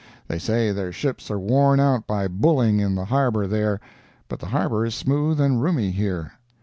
They say their ships are worn out by "bulling" in the harbor there, but the harbor is smooth and roomy here.